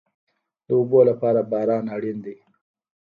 د اوبو لپاره باران اړین دی